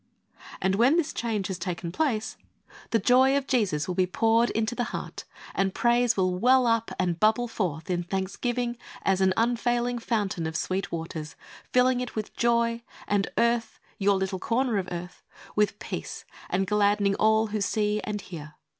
And when this change has taken place, the joy of Jesus will be poured 90 HEART TALKS ON HOLINESS. into the heart and praise will well up and bubble forth in thanksgiving as an unfailing fountain of sweet waters, filling it with joy, and earth, your little corner of earth, with peace, and gladdening all who see and hear.